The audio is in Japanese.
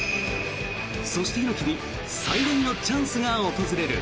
そして、猪木に最大のチャンスが訪れる。